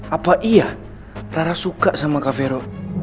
apa iya rara suka sama kak fero